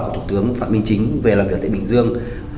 của thủ tướng phạm minh chính về làm việc tại bình dương